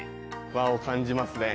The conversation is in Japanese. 和を感じますね。